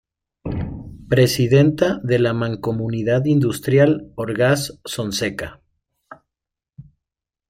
Presidenta de la Mancomunidad Industrial Orgaz-Sonseca.